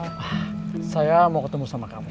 eh saya mau ketemu sama kamu